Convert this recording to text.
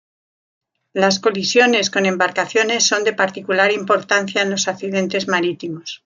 Las colisiones con embarcaciones son de particular importancia en los accidentes marítimos.